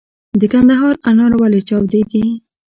د کندهار انار ولې چاودیږي؟